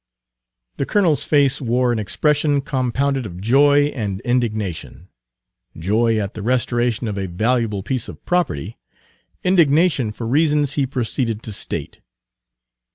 The colonel's face wore an expression compounded of joy and indignation, joy at the restoration of a valuable piece of property; indignation for reasons he proceeded to state.